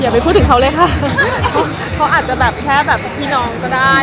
ไปพูดถึงเขาเลยค่ะเขาอาจจะแบบแค่แบบพี่น้องก็ได้